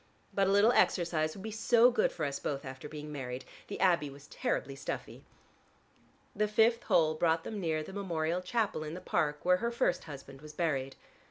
But a little exercise would be so good for us both after being married: the Abbey was terribly stuffy." The fifth hole brought them near the memorial chapel in the Park, where her first husband was buried.